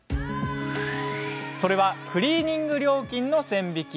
それは、クリーニング料金の線引き。